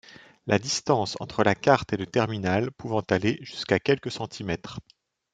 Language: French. La distance entre la carte et le terminal pouvant aller jusqu'à quelques centimètres.